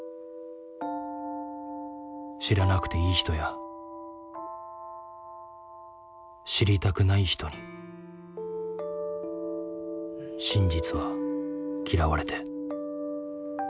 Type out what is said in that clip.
知らなくていい人や知りたくない人に真実は嫌われて。